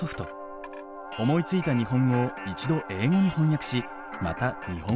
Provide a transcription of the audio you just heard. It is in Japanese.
思いついた日本語を一度英語に翻訳しまた日本語に戻すのです。